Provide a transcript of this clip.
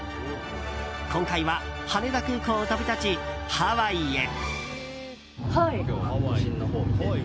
今回は羽田空港を飛び立ちハワイへ。